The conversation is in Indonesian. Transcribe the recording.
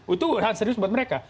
itu hal serius buat mereka